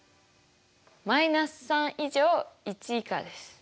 −３以上１以下です。